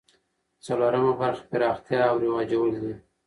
څلورمه برخه پراختیا او رواجول دي.